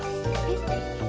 えっ。